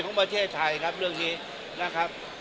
ของประเทศไทยครับเรื่องนี้นะครับ